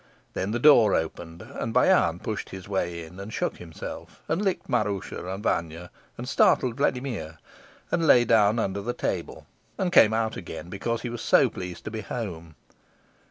Then the door opened, and Bayan pushed his way in and shook himself, and licked Maroosia and Vanya and startled Vladimir, and lay down under the table and came out again, because he was so pleased to be home.